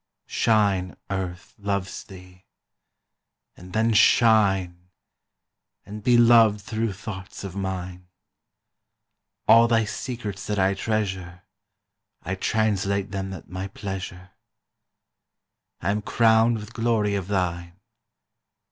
Shine, Earth loves thee! And then shine And be loved through thoughts of mine. All thy secrets that I treasure I translate them at my pleasure. I am crowned with glory of thine.